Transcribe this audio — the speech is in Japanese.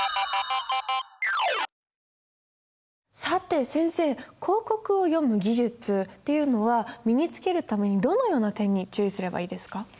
さて先生広告を読む技術っていうのは身につけるためにどのような点に注意すればいいですか。